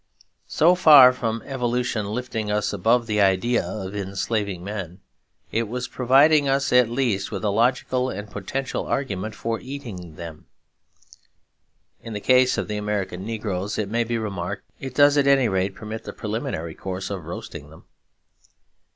So far from evolution lifting us above the idea of enslaving men, it was providing us at least with a logical and potential argument for eating them. In the case of the American negroes, it may be remarked, it does at any rate permit the preliminary course of roasting them.